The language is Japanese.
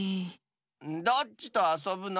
どっちとあそぶの？